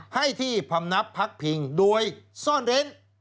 ให้ที่พำนับพักพิงโดยซ่อนเร้น